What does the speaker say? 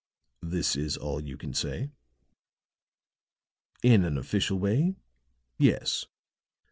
"This is all you can say?" "In an official way, yes.